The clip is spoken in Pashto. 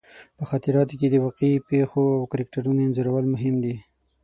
په خاطراتو کې د واقعي پېښو او کرکټرونو انځورول مهم دي.